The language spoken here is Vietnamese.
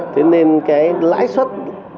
thế nên cái lãi suất